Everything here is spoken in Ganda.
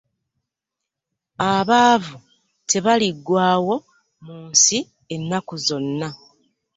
Abaavu tebaliggwaawo mu nsi ennaku zonna.